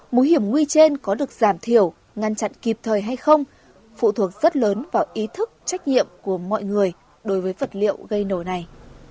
mối hiểm nguy trên có được giảm thiểu ngăn chặn kịp thời hay không phụ thuộc rất lớn vào ý thức trách nhiệm của mọi người đối với vật liệu gây nổ này